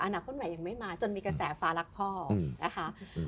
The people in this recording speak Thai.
อนาคตใหม่ยังไม่มาจนมีกระแสฟ้ารักพ่อนะคะ